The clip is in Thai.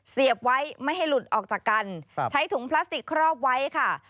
เสียบไว้ไม่ให้หลุดออกจากกันใช้ถุงพลาสติกครอบไว้ค่ะ